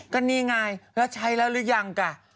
ก็นี่ไงแล้วใช้แล้วหรือยังกะ